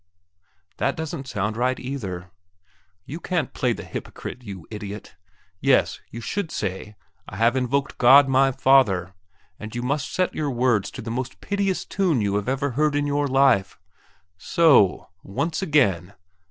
That didn't sound right either. You can't play the hypocrite, you idiot! Yes, you should say, I have invoked God my Father! and you must set your words to the most piteous tune you have ever heard in your life. So o! Once again!